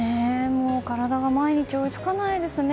体が毎日追いつかないですね。